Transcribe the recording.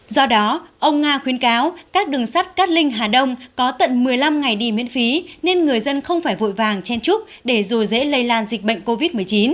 do đó ông nga khuyên cáo các đường sắt cát linh hà đông có tận một mươi năm ngày đi miễn phí nên người dân không phải vội vàng chen chúc để dù dễ lây lan dịch bệnh covid một mươi chín